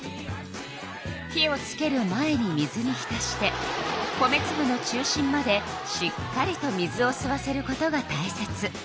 火をつける前に水に浸して米つぶの中心までしっかりと水をすわせることがたいせつ。